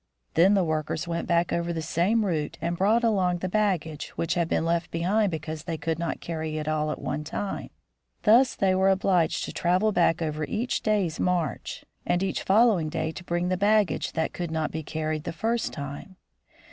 Then the workers went back over the same route and brought along the baggage, which had been left behind because they could not carry it all at one time. Thus they were obliged to travel back over each day's march, and each following day HOME AGAIN 53 to bring ahead the baggage that could not be carried the first time.